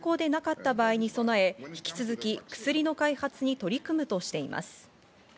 その上で有効でなかった場合に備え、引き続き、薬の開発に取り組むとしています。